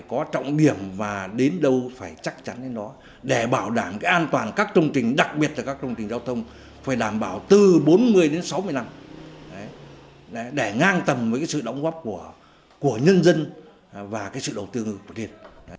có trọng điểm và đến đâu phải chắc chắn đến nó để bảo đảm cái an toàn các công trình đặc biệt là các công trình giao thông phải đảm bảo từ bốn mươi đến sáu mươi năm để ngang tầm với sự đóng góp của nhân dân và cái sự đầu tư của điện